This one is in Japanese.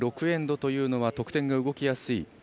エンドというのは得点が動きやすい。